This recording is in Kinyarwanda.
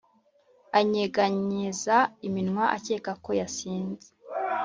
anyeganyeza iminwa akeka ko yasinze